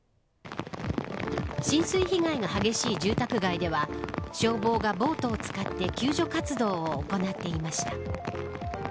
浸水被害が激しい住宅街では消防がボートを使って救助活動を行っていました。